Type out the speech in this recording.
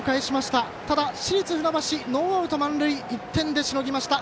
ただ、市立船橋ノーアウト満塁１点でしのぎました。